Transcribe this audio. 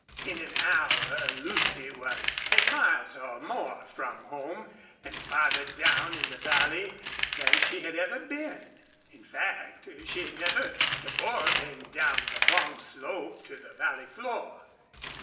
In an hour Lucy was ten miles or more from home, and farther down in the valley than she had ever been. In fact, she had never before been down the long slope to the valley floor.